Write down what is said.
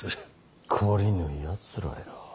懲りぬやつらよ。